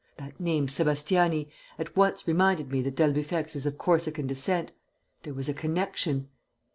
"That name, Sébastiani, at once reminded me that d'Albufex is of Corsican descent. There was a connection...."